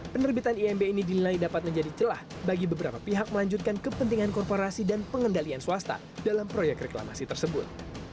penerbitan imb ini dinilai dapat menjadi celah bagi beberapa pihak melanjutkan kepentingan korporasi dan pengendalian swasta dalam proyek reklamasi tersebut